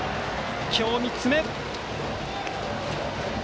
今日３つ目。